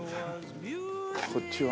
こっちは？